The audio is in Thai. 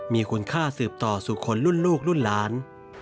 มีคุณค่าสื่อบต่อสู่คนลูกลูกล้าน